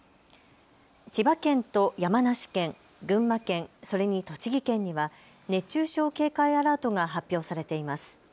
千葉県と山梨県、群馬県、それに栃木県には熱中症警戒アラートが発表されています。